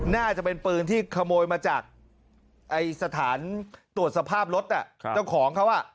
น่าจะเป็นปืนที่ขโมยมาจากสถานตรวจสภาพรถเจ้าของเขาอ่ะ